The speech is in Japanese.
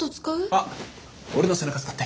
あっ俺の背中使って。